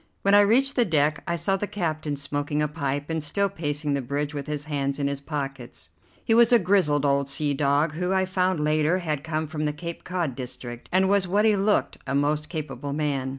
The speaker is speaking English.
When I reached the deck I saw the captain smoking a pipe and still pacing the bridge with his hands in his pockets. He was a grizzled old sea dog, who, I found later, had come from the Cape Cod district, and was what he looked, a most capable man.